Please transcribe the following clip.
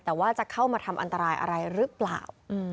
แต่ว่าจะเข้ามาทำอันตรายอะไรหรือเปล่า